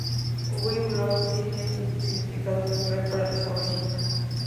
Wave Rock tiene un significado cultural para los aborígenes.